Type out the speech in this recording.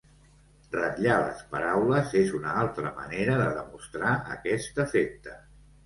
Ratllar les paraules és una altra manera de demostrar aquest efecte.